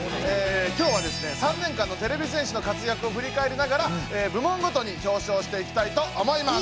今日はですね３年間のてれび戦士の活躍をふりかえりながら部門ごとに表彰していきたいと思います！